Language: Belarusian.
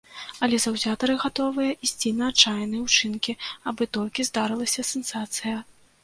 Але заўзятары гатовыя ісці на адчайныя ўчынкі, абы толькі здарылася сенсацыя.